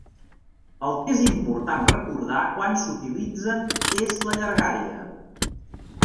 El que és important recordar quan s'utilitzen és la llargària.